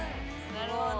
なるほど！